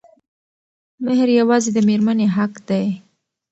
مهر يوازې د مېرمنې حق دی.